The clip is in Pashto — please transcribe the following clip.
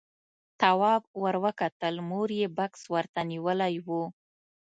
تواب ور وکتل، مور يې بکس ورته نيولی و.